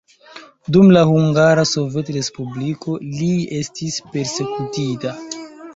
Dum la Hungara Sovetrespubliko li estis persekutita.